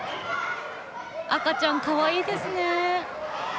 赤ちゃんかわいいですね。